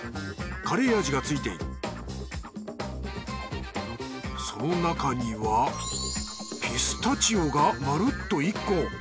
カレー味がついているその中にはピスタチオが丸っと１個。